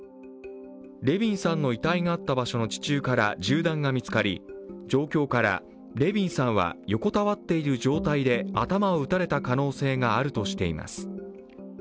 レヴィンさんの遺体があった場所の地中から銃弾が見つかり、状況から、レヴィンさんは横たわっている状態で頭を撃たれた可能性があるとしています。